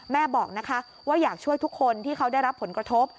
แม่บอกนะคะว่าอยากช่วยทุกคนที่เขาได้รับผลกระทบ